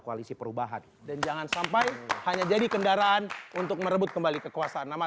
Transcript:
koalisi perubahan dan jangan sampai hanya jadi kendaraan untuk merebut kembali kekuasaan nama